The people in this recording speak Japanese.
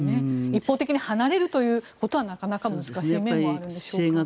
一方的に離れるということはなかなか難しい面もあるんでしょうね。